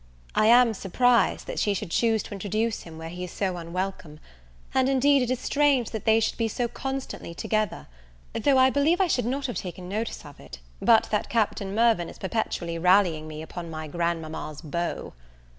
I am surprised that she should choose to introduce him where he is so unwelcome: and, indeed, it is strange that they should be so constantly together, though I believe I should have taken notice of it, but that Captain Mirvan is perpetually rallying me upon my grandmama's beau.